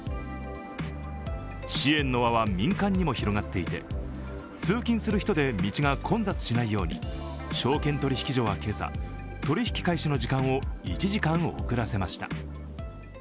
支援の輪は民間にも広がっていて、通勤する人で道が混雑しないように証券取引所はは今朝、取り引き開始の時間を１時間遅らせました。